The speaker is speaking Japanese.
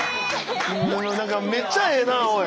何かめっちゃええなおい。